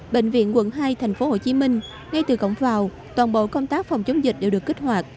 bệnh viện quận hai tp hcm ngay từ cổng vào toàn bộ công tác phòng chống dịch đều được kích hoạt